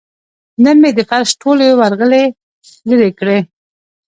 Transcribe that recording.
نن مې د فرش ټولې ورغلې لرې کړې.